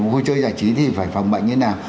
vui chơi giải trí thì phải phòng bệnh như thế nào